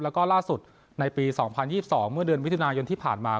แล้วก็ล่าสุดในปี๒๐๒๒เมื่อเดือนมิถุนายนที่ผ่านมา